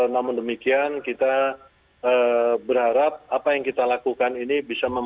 namun demikian kita berharap apa yang kita lakukan ini bisa memperbaiki